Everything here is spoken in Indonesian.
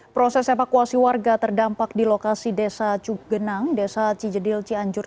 proses evakuasi warga terdampak di lokasi desa cugenang desa cijedil cianjur